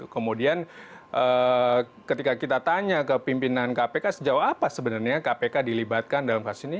kemudian ketika kita tanya ke pimpinan kpk sejauh apa sebenarnya kpk dilibatkan dalam kasus ini